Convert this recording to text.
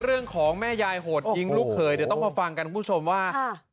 แม่ยายโหดยิงลูกเขยเดี๋ยวต้องมาฟังกันคุณผู้ชมว่า